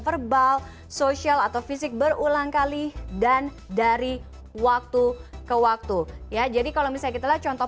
verbal sosial atau fisik berulang kali dan dari waktu ke waktu ya jadi kalau misalnya kita lihat contoh